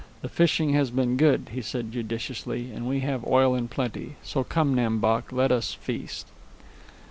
"The fishing has been good," he said judiciously, "and we have oil in plenty. So come, Nam Bok, let us feast."